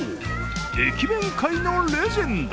駅弁界のレジェンド。